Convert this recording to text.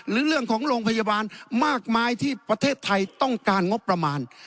หรือเรื่องของโรงพยาบาลมากมายที่ประเทศไทยต้องการงบประมาณ